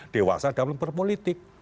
dewasa dalam berpolitik